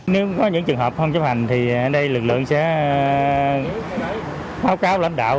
nếu có những trường hợp không chấp hành thì ở đây lực lượng sẽ báo cáo lãnh đạo